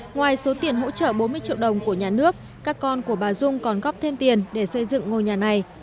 ngoài số tiền hỗ trợ bốn mươi triệu đồng của nhà nước các con của bà dung còn góp thêm tiền để xây dựng ngôi nhà này